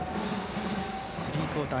スリークオーター。